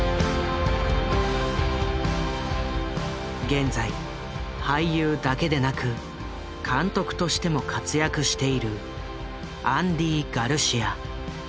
現在俳優だけでなく監督としても活躍しているアンディ・ガルシア。